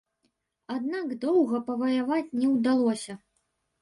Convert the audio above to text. Аднак доўга паваяваць не ўдалося.